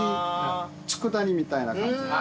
佃煮みたいな感じ。